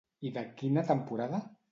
I de quina temporada?